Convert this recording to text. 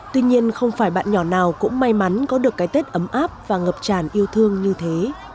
tuy nhiên không phải bạn nhỏ nào cũng may mắn có được cái tết ấm áp và ngập tràn yêu thương như thế